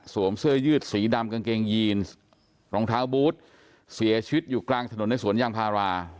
เสื้อยืดสีดำกางเกงยีนรองเท้าบูธเสียชีวิตอยู่กลางถนนในสวนยางพารา